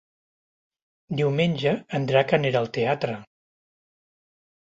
Diumenge en Drac anirà al teatre.